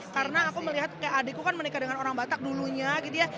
karena aku melihat adikku kan menikah dengan orang batak dulunya gitu ya